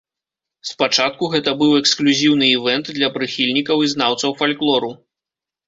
Спачатку гэта быў эксклюзіўны івэнт для прыхільнікаў і знаўцаў фальклору.